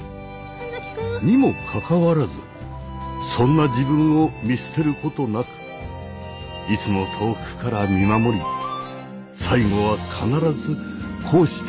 にもかかわらずそんな自分を見捨てることなくいつも遠くから見守り最後は必ずこうして助けてくれる。